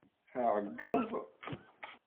Ɛeggeḍ!